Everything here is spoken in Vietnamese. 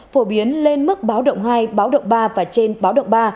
phổ biến lên mức báo động hai báo động ba và trên báo động ba